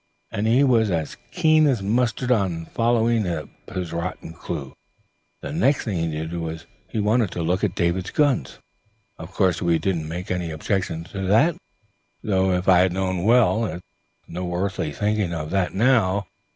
And he was as keen as mustard on following up his rotten clue. The next thing he did was to want a look at David's guns. Of course we didn't make any objection to that, though if I'd known well, it's no earthly thinking of that now.